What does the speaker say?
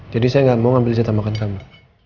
jadi saya gak mau ngambil jatah makan kamu